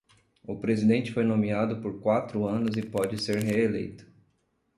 O presidente foi nomeado por quatro anos e pode ser reeleito.